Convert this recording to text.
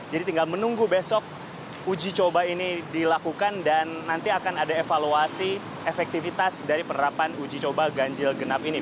jadi tinggal menunggu besok uji coba ini dilakukan dan nanti akan ada evaluasi efektivitas dari penerapan uji coba ganjil genap ini